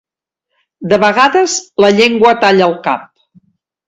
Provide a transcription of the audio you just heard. De vegades la llengua talla el cap.